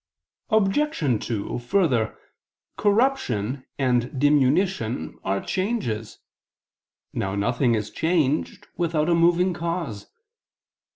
Obj. 2: Further, corruption and diminution are changes. Now nothing is changed without a moving cause.